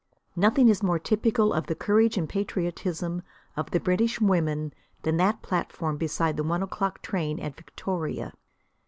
Nothing is more typical of the courage and patriotism of the British women than that platform beside the one o'clock train at Victoria.